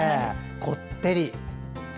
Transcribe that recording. こってり。